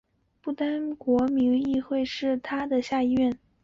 不丹国民议会是它的下议院。